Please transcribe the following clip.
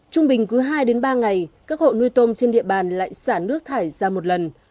trung bình cứ hai ba ngày các hộ nuôi tôm trên địa bàn lại xả nước thải ra một lần